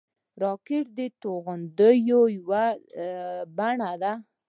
راکټ د توغندیو یوه بڼه ده